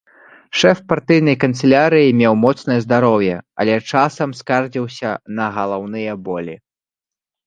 Шэф партыйнай канцылярыі меў моцнае здароўе, але часам скардзіўся на галаўныя болі.